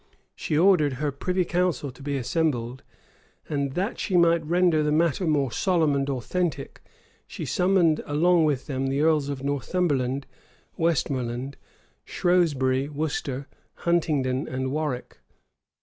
She ordered her privy council to be assembled; and, that she might render the matter more solemn and authentic, she summoned along with them the earls of Northumberland, Westmoreland, Shrewsbury, Worcester, Huntingdon, and Warwick.